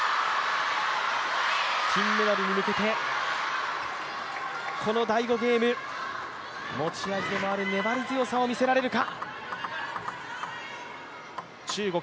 金メダルに向けて、この第５ゲーム、持ち味でもある粘り強さを見せられるか。